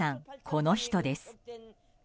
この人です。